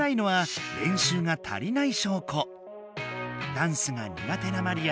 ダンスが苦手なマリア。